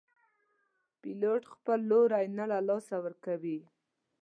پیلوټ خپل لوری نه له لاسه ورکوي.